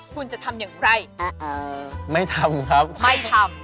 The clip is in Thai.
คุณจะทำอย่างไร